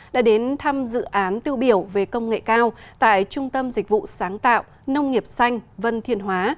đã đến thăm dự án tiêu biểu về công nghệ cao tại trung tâm dịch vụ sáng tạo nông nghiệp xanh vân thiên hóa